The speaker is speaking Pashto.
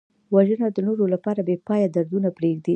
وژنه د نورو لپاره بېپایه دردونه پرېږدي